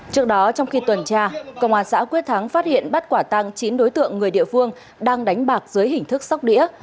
trước đó trong khi tuần tra công an xã quyết thắng phát hiện bắt quả tăng chín đối tượng người địa phương đang đánh bạc dưới hình thức sóc đĩa